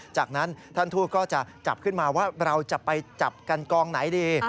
จากนั้นท่านทูตก็จะจับขึ้นมาว่าเราจะไปจับกันกองไหนดี